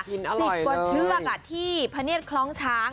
กินอร่อยเลยติดบนเทือกอ่ะที่พะเนียดคล้องช้าง